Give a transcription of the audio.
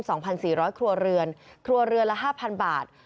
สองพันสี่ร้อยครัวเรือนครัวเรือนละห้าพันบาท